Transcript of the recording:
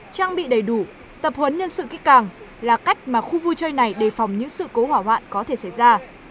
trang bị đầy đủ tập huấn nhân sự kỹ càng là cách mà khu vui chơi này đề phòng những sự cố hỏa hoạn có thể xảy ra